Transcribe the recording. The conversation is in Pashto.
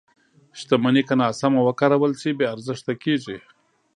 • شتمني که ناسمه وکارول شي، بې ارزښته کېږي.